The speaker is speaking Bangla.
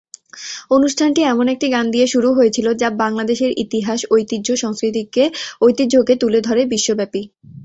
অনুষ্ঠানটি এমন একটি গান দিয়ে শুরু হয়েছিল যা বাংলাদেশের ইতিহাস, ঐতিহ্য, সংস্কৃতিকে ঐতিহ্যকে তুলে ধরে বিশ্বব্যাপী।